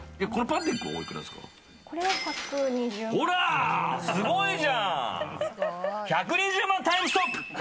ほら、すごいじゃん！